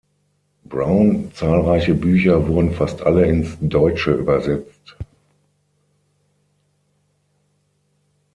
Brown zahlreiche Bücher wurden fast alle ins Deutsche übersetzt.